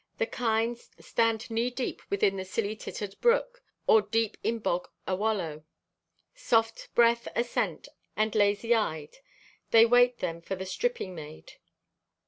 The kine stand knee depth within the silly tittered brook, or deep in bog awallow. Soft breath ascent and lazy eyed, they wait them for the stripping maid.